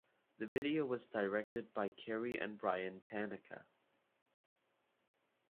The video was directed by Carey and Bryan Tanaka.